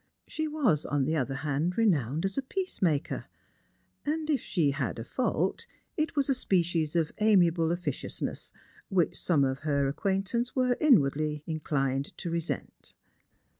She was, on the other hand, renowned as a peace maker : and if she had a fault, it was a species of amiable officiousness, which some of her acquaintance were inclined inwardly to resent.